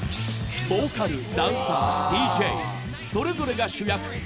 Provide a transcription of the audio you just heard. ボーカルダンサーＤＪそれぞれが主役。